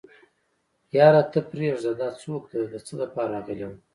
يره ته پرېده دا څوک ده د څه دپاره راغلې وه.